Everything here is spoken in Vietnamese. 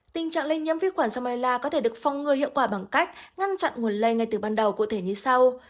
tình trạng lây nhiễm vi khuẩn samela có thể được phong ngừa hiệu quả bằng cách ngăn chặn nguồn lây ngay từ ban đầu cụ thể như sau